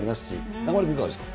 中丸君、いかがですか。